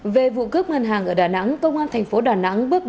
về vụ cướp ngân hàng ở đà nẵng công an thành phố đà nẵng